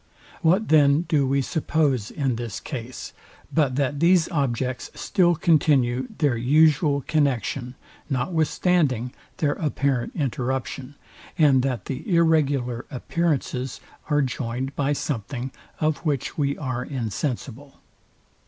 What then do we suppose in this case, but that these objects still continue their usual connexion, notwithstanding their apparent interruption, and that the irregular appearances are joined by something, of which we are insensible?